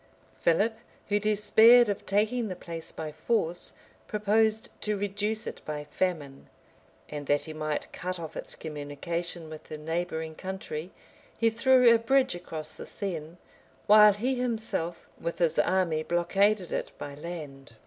Philip, who despaired of taking the place by force proposed to reduce it by famine; and that he might cut off its communication with the neighboring country, he threw a bridge across the Seine, while he himself, with his army blockaded it by land.